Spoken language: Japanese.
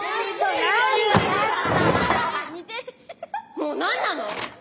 もう何なの？